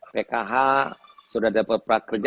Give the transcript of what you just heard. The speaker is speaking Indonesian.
pkh sudah dapat prakerja